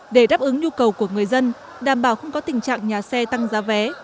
để đáp ứng nhu cầu của người dân đảm bảo không có tình trạng nhà xe tăng giá vé